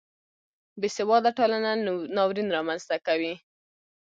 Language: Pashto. بې سواده ټولنه ناورین رامنځته کوي